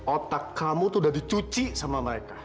otak kamu tuh udah dicuci sama mereka